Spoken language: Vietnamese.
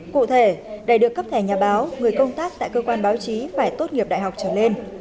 cụ thể để được cấp thẻ nhà báo người công tác tại cơ quan báo chí phải tốt nghiệp đại học trở lên